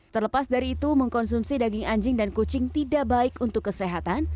terlepas dari itu mengkonsumsi daging anjing dan kucing tidak baik untuk kesehatan